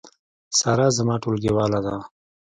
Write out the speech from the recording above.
سارا زما ټولګیواله ده